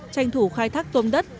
tranh thủ khai thác tôm đất